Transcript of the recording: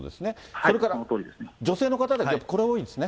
それから女性の方で、これ多いですね。